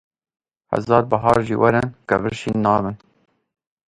Hezar bihar jî werin, kevir şîn nabin.